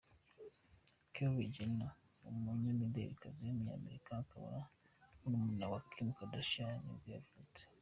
Kylie Jenner, umunyamidelikazi w’umunyamerika, akaba murumuna wa Kim Kardashian ni bwo yavutse.